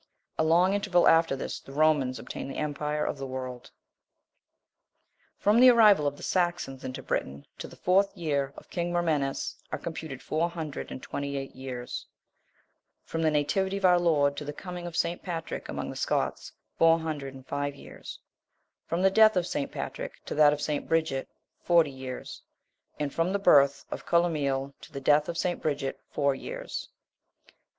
A long interval after this, the Romans obtained the empire of the world. 16. From the first arrival of the Saxons into Britain, to the fourth year of king Mermenus, are computed four hundred and twenty eight years; from the nativity of our Lord to the coming of St. Patrick among the Scots, four hundred and five years; from the death of St. Patrick to that of St. Bridget, forty years; and from the birth of Columeille(1) to the death of St Bridget four years.